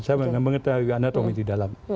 saya mengetahui anatomi di dalam